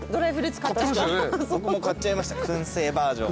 僕も買っちゃいました燻製バージョン。